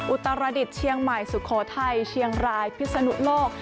อุตรดิษฐ์เชียงใหม่สุโขทัยเชียงรายพิศนุโลก